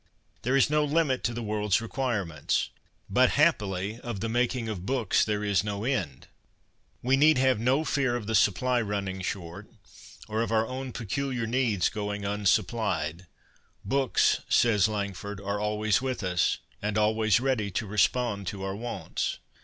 There is no limit to the world's requirements. But, happily, ' of the making of books there is no end.' We need have no fear of the supply running short, 58 CONFESSIONS OF A BOOK LOVER or of our own peculiar needs going unsupplied. ' Books/ says Langford, ' are always with us, and always ready to respond to our wants.'